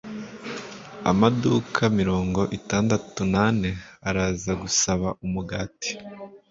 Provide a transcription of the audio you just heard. Amaduka mirongo itandatu nane araza gusaba umugati.